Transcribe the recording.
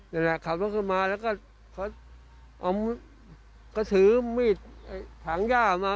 ขับแล้วขึ้นมาแล้วก็ถือมีดถังย่ามา